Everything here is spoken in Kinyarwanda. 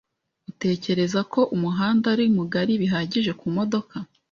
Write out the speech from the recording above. Utekereza ko umuhanda ari mugari bihagije ku modoka?